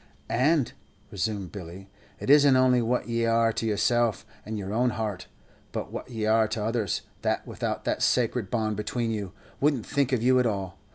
"And," resumed Billy, "it isn't only what ye are to yourself and your own heart, but what ye are to others, that without that sacret bond between you, wouldn't think of you at all.